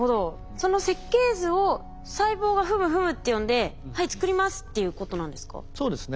その設計図を細胞がフムフムって読んで「はい作ります」っていうことなんですか？